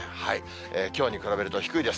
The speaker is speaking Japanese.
きょうに比べると低いです。